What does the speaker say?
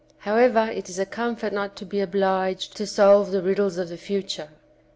However it is a comfort not to be obliged to solve the riddles of the future.